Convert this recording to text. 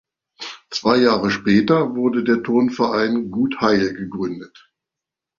Zwei Jahre später wurde der Turnverein Gut Heil gegründet.